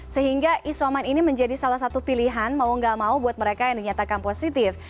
sehingga isoman ini menjadi salah satu pilihan mau gak mau buat mereka yang dinyatakan positif